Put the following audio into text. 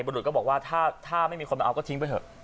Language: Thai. รุษก็บอกว่าถ้าไม่มีคนมาเอาก็ทิ้งไปเถอะ